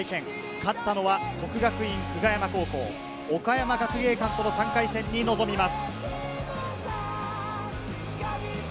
勝ったのは國學院久我山高校、岡山学芸館との３回戦に臨みます。